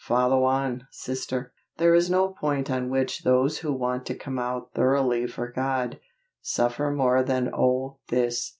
follow on, sister! There is no point on which those who want to come out thoroughly for God, suffer more than oh this.